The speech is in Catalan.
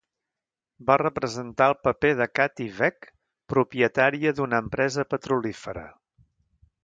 Va representar el paper de Kathy Veck, propietària d'una empresa petrolífera.